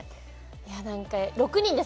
いやなんか６人ですもんね？